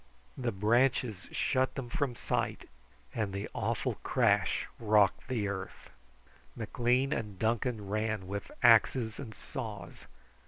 The branches shut them from sight, and the awful crash rocked the earth. McLean and Duncan ran with axes and saws.